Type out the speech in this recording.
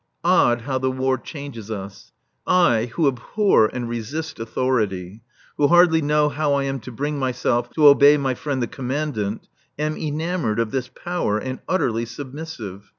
Odd how the War changes us. I, who abhor and resist authority, who hardly know how I am to bring myself to obey my friend the Commandant, am enamoured of this Power and utterly submissive.